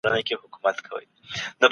کتابتون څېړنه او میز څېړنه ډېر توپیر نلري.